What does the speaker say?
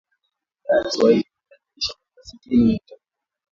Idhaa ya Kiswahili yaadhimisha miaka sitini ya Matangazo